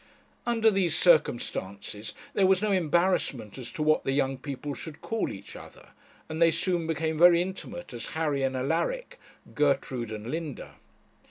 Under these circumstances there was no embarrassment as to what the young people should call each other, and they soon became very intimate as Harry and Alaric, Gertrude and Linda.